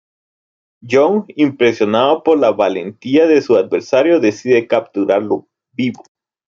Young, impresionado por la valentía de su adversario, decide capturarlo vivo.